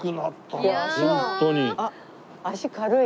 あっ足軽い！